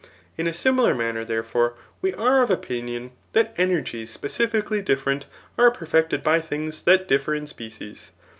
In a similar manner, therefore, we are of opinion, that energies specifically different, are perfected by things that differ in species.